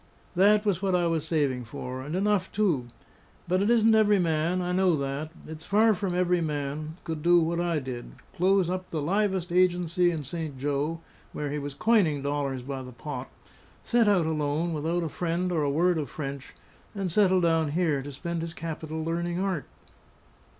That was what I was saving for; and enough, too! But it isn't every man, I know that it's far from every man could do what I did: close up the livest agency in Saint Jo, where he was coining dollars by the pot, set out alone, without a friend or a word of French, and settle down here to spend his capital learning art."